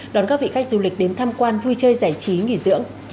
đón các vị khách du lịch đến tham quan vui chơi giải trí nghỉ dưỡng